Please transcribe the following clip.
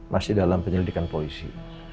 masih dalam penyelidikan polisi